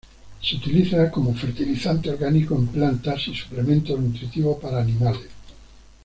Se utiliza como fertilizante orgánico en plantas y suplemento nutritivo para animales.